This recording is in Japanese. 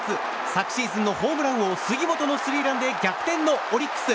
昨シーズンのホームラン王杉本のスリーランで逆転のオリックス。